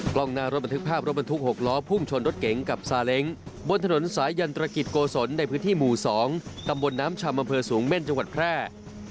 กล้องหน้ารถบันทึกภาพรถบรรทุก๖ล้อพุ่งชนรถเก๋งกับซาเล้งบนถนนสายันตรกิจโกศลในพื้นที่หมู่๒ตำบลน้ำชำอำเภอสูงเม่นจังหวัดแพร่